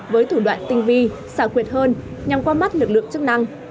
với thủ đoạn tinh vi xảo quyệt hơn nhằm qua mắt lực lượng chức năng